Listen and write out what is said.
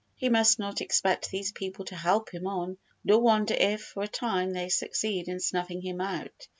He must not expect these people to help him on, nor wonder if, for a time, they succeed in snuffing him out.